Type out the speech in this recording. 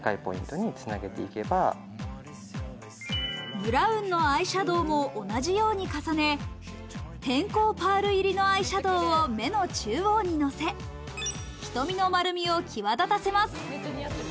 ブラウンのアイシャドウも同じように重ね、偏光パール入りのアイシャドウを目の中央にのせ、瞳の丸みを際立たせます。